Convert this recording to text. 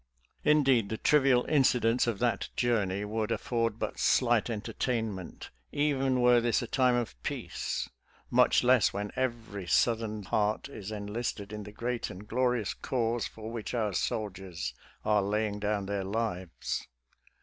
Indeed, the trivial incidents of that journey would afford but slight entertainment, even were this a time of peace, much less when every South ern heart is enlisted in the great and glorious cause for which our soldiers are laying down their lives.